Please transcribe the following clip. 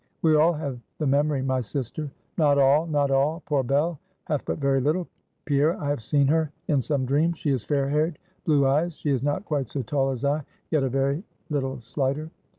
"We all have the memory, my sister." "Not all! not all! poor Bell hath but very little. Pierre! I have seen her in some dream. She is fair haired blue eyes she is not quite so tall as I, yet a very little slighter."